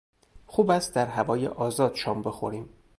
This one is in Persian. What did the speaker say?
خوب است در هوای آزاد شام بخوریم.